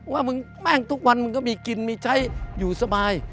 ว่ามึงแป้งทุกวันมึงก็มีกินมีใช้อยู่สบาย